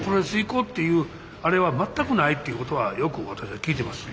こうっていうあれは全くないっていうことはよく私は聞いてます。